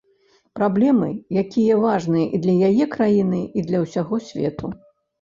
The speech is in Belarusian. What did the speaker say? Праблемы, якія важныя і для яе краіны, і для ўсяго свету.